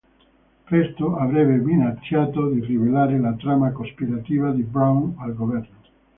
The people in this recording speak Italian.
Presto avrebbe minacciato di rivelare la trama cospirativa di Brown al Governo.